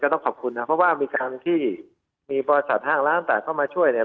ต้องขอบคุณนะครับเพราะว่ามีการที่มีบริษัทห้างร้านต่างเข้ามาช่วยเนี่ย